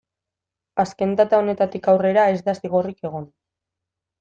Azken data honetatik aurrera ez da zigorrik egon.